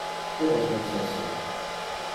Que es necesse?